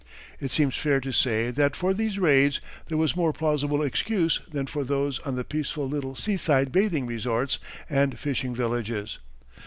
It seems fair to say that for these raids there was more plausible excuse than for those on the peaceful little seaside bathing resorts and fishing villages.